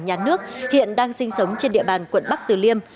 nhà nước hiện đang sinh sống trên địa bàn quận bắc tử liêm